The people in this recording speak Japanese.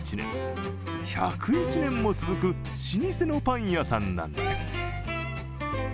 １０１年も続く老舗のパン屋さんなんです。